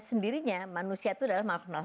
sendirinya manusia itu adalah manusia